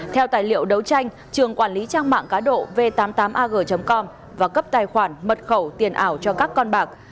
theo tài liệu đấu tranh trường quản lý trang mạng cá độ v tám mươi tám ag com và cấp tài khoản mật khẩu tiền ảo cho các con bạc